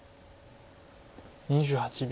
２８秒。